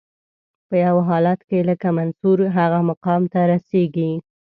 په یو حالت کې لکه منصور هغه مقام ته رسیږي.